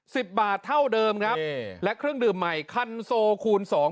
สิบบาทเท่าเดิมครับอืมและเครื่องดื่มใหม่คันโซคูณสอง